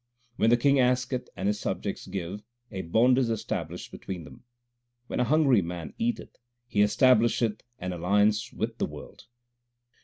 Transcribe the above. When the king asketh and his subjects give, a bond is established between them. When a hungry man eateth, he establish 3th an alliance with the world.